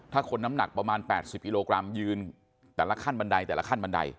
ถ้าคนน้ำหนักประมาณ๘๐กิโลกรัมยืนแต่ละขั้นบันไดแต่ละขั้นบันได